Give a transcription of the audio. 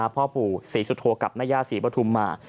พ่อปู่ศรีสุโธกับแม่ย่าศรีปฐุมมา